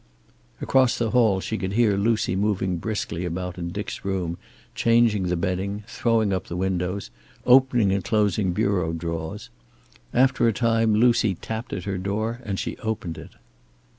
Across the hall she could hear Lucy moving briskly about in Dick's room, changing the bedding, throwing up the windows, opening and closing bureau drawers. After a time Lucy tapped at her door and she opened it.